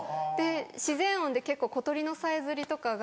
自然音で結構小鳥のさえずりとかが。